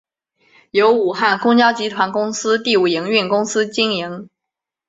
由武汉公交集团公司第五营运公司经营。